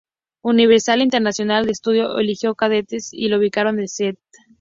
Universal-Internacional Estudios eligió cadetes y la ubicación de St.